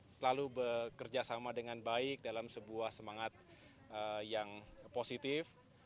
selalu bekerja sama dengan baik dalam sebuah semangat yang positif